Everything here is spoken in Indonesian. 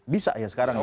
bisa ya sekarang ya